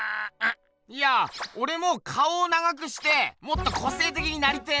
いやおれも顔を長くしてもっと個性的になりてえなって。